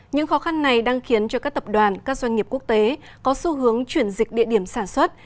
những khó khăn này đang khiến cho các tập đoàn các doanh nghiệp quốc tế có xu hướng chuyển dịch địa điểm sản xuất